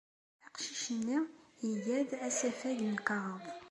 Aqcic-nni iga-d asafag n lkaɣeḍ.